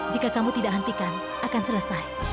jika kamu tidak hentikan akan selesai